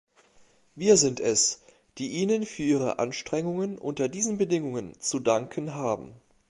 Wir sind es, die Ihnen für Ihre Anstrengungen unter diesen Bedingungen zu danken haben.